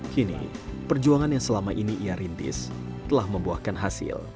kini perjuangan yang selama ini ia rintis telah membuahkan hasil